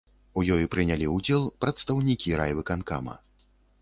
У ёй прынялі ўдзел прадстаўнікі райвыканкама.